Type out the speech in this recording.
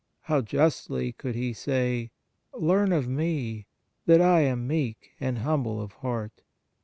How justly could He say, " Learn of Me, that I am meek and humble of heart"!